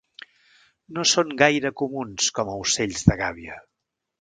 No són gaire comuns com a ocells de gàbia.